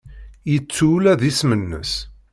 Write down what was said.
Yettu ula d isem-nnes.